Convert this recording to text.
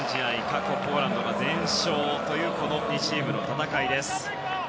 過去ポーランドが全勝というこの２チームの戦いです。